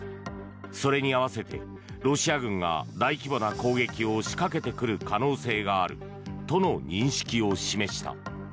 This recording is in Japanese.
それに合わせてロシア軍が大規模な攻撃を仕掛けてくる可能性があるとの認識を示した。